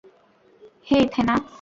হেই, থেনা!